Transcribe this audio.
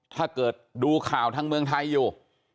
ถ้าเกิดดูข่าวทางเมืองไทยอยู่